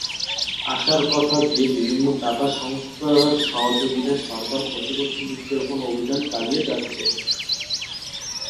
আশার কথা যে, বিভিন্ন দাতা সংস্থার সহযোগিতায় সরকার প্রতিবছর বৃক্ষরোপন অভিযান চলিয়ে যাচ্ছে।